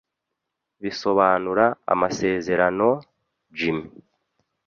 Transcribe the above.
bisobanura amasezerano, Jim. ”